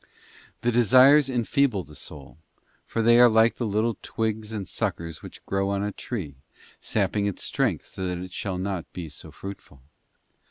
The desires enfeeble the soul, for they are like the little twigs and suckers which grow on a tree, sapping its strength so that it shall not be so fruitful.